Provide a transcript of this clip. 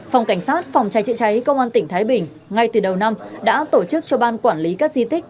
phòng cảnh sát phòng cháy chữa cháy công an tỉnh thái bình ngay từ đầu năm đã tổ chức cho ban quản lý các di tích